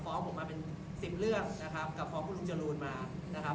ฟ้องผมมาเป็นสิบเรื่องนะครับกับฟ้องคุณลุงจรูนมานะครับ